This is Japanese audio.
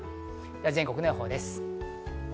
全国の予報です。